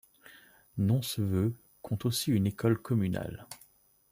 Nonceveux compte aussi une école communale.